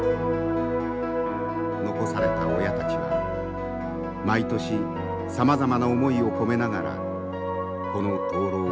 残された親たちは毎年さまざまな思いを込めながらこの灯ろうを流し続けてきたのです。